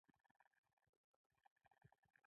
د احمد پدل چې علي ورمات کړ؛ اوس ښه کار کوي.